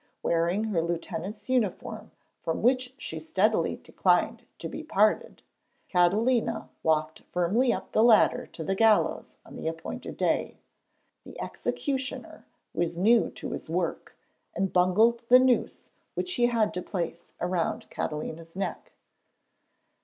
Wearing her lieutenant's uniform from which she steadily declined to be parted, Catalina walked firmly up the ladder to the gallows on the appointed day. The executioner was new to his work, and bungled the noose which he had to place round Catalina's neck.